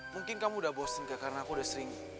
mungkin kamu udah bosen kak karena aku udah sering